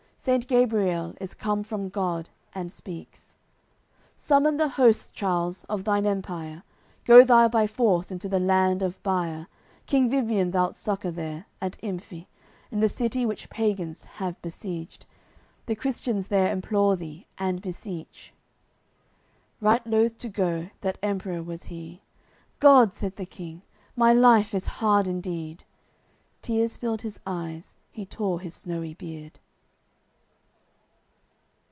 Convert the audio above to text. Saint Gabriel is come from God, and speaks: "Summon the hosts, Charles, of thine Empire, Go thou by force into the land of Bire, King Vivien thou'lt succour there, at Imphe, In the city which pagans have besieged. The Christians there implore thee and beseech." Right loth to go, that Emperour was he: "God!" said the King: "My life is hard indeed!" Tears filled his eyes, he tore his snowy beard.